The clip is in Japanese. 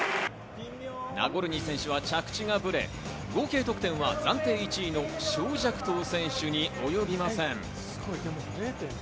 ナゴルニー選手は着地がブレ、合計得点は暫定１位のショウ・ジャクトウ選手に及びません。